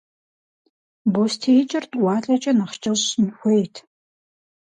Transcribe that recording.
БостеикӀэр тӀуалэкӀэ нэхъ кӀэщӀ щӀын хуейт.